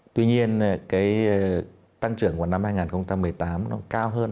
tuy nhiên cái tăng trưởng của năm hai nghìn một mươi tám nó cao hơn